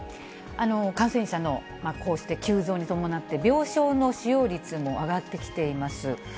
感染者の、こうして急増に伴って、病床の使用率も上がってきています。